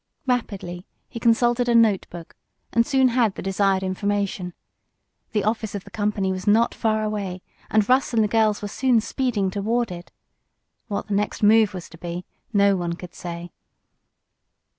Rapidly he consulted a notebook, and soon had the desired information. The office of the company was not far away, and Russ and the girls were soon speeding toward it. What the next move was to be no one could say.